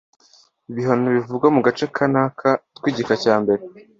ibihano bivugwa mu gace ka n aka tw igika cya mbere